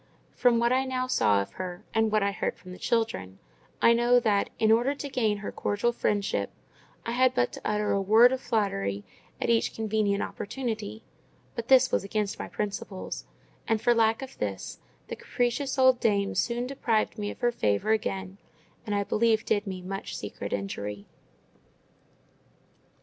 From what I now saw of her, and what I heard from the children, I know that, in order to gain her cordial friendship, I had but to utter a word of flattery at each convenient opportunity: but this was against my principles; and for lack of this, the capricious old dame soon deprived me of her favour again, and I believe did me much secret injury.